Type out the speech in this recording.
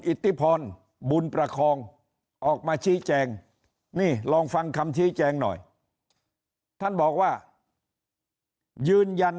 อิติพลบุญประคองออกมาชี้แจงนี่ลองฟังคำชี้แจงหน่อยท่าน